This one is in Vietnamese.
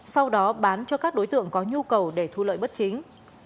sau đó bán cho các đối tượng có nhu cầu để thu lợi bất chính